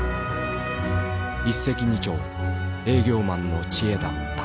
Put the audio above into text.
一石二鳥営業マンの知恵だった。